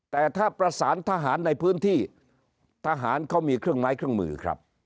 แต่ถ้าประสานทหารในพื้นที่ทหารเขามีเครื่องไม้เครื่องมือครับ